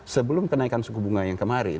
sebelum kenaikan suku bunga yang kemarin